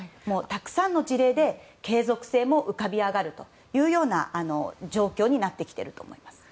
たくさんの事例で継続性も浮かび上がるというような状況になってきていると思います。